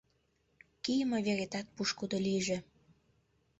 Кийыме веретат пушкыдо лийже.